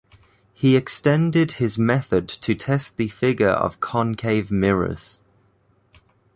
He extended his method to test the figure of concave mirrors.